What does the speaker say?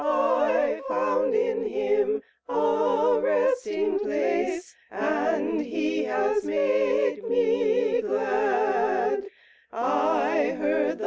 ' I found in him a rest ing place, And he hath made me glad.